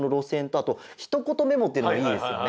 あとひとことメモっていうのがいいですよね。